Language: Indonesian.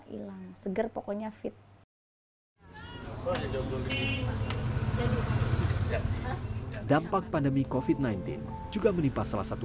hilang seger pokoknya fit hai apa aja jomblo gini jadi dampak pandemi kofit sembilan belas juga menipa salah satu